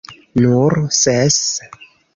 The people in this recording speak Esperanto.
Nur ses!